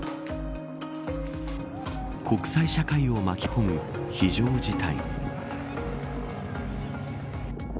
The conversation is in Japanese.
国際社会を巻き込む非常事態。